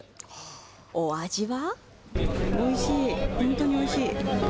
お味は。